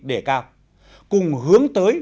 để cao cùng hướng tới